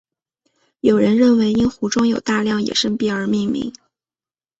有人认为因湖中有大量野生鳖而命名。